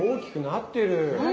なってる。